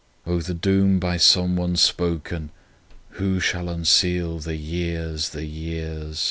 O the doom by someone spoken— Who shall unseal the years, the years!